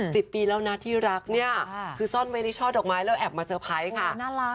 สิบปีแล้วนะที่รักเนี่ยคือซ่อนไว้ในช่อดอกไม้แล้วแอบมาเตอร์ไพรส์ค่ะน่ารัก